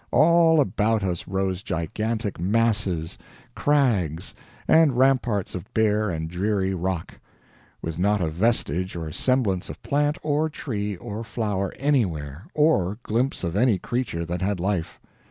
All about us rose gigantic masses, crags, and ramparts of bare and dreary rock, with not a vestige or semblance of plant or tree or flower anywhere, or glimpse of any creature that had life.